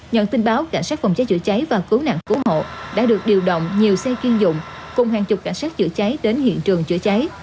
nhận tin báo cảnh sát phòng cháy chữa cháy và cứu nạn cứu hộ đã được điều động nhiều xe chuyên dụng cùng hàng chục cảnh sát chữa cháy đến hiện trường chữa cháy